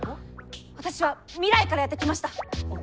私は未来からやって来ました。